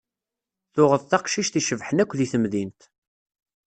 Tuɣeḍ taqcict icebḥen akk deg temdint.